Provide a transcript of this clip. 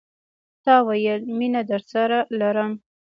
تا ویل، میینه درسره لرم